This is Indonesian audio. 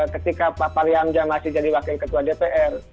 ketika pak rihamzah masih jadi wakil ketua dpr